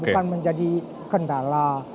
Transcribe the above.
bukan menjadi kendala